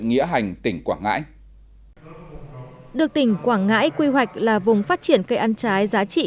nghĩa hành tỉnh quảng ngãi được tỉnh quảng ngãi quy hoạch là vùng phát triển cây ăn trái giá trị